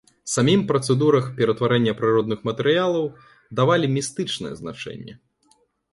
Самім працэдурах ператварэння прыродных матэрыялаў давалі містычнае значэнне.